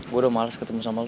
gua udah males ketemu sama lu